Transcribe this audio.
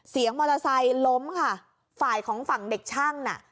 มอเตอร์ไซค์ล้มค่ะฝ่ายของฝั่งเด็กช่างน่ะ